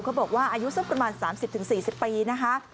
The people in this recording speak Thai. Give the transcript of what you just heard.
บอกว่าอายุสักประมาณ๓๐๔๐ปีนะคะ